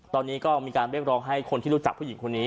ตอนนี้ก็มีการเรียกร้องให้คนที่รู้จักผู้หญิงคนนี้